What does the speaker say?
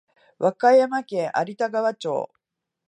和歌山県有田川町